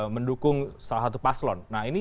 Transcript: mendukung salah satu paslon nah ini